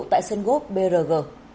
tại sân gốp brg